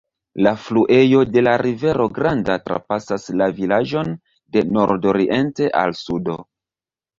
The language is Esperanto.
La fluejo de la Rivero Granda trapasas la vilaĝon de nordoriente al sudo.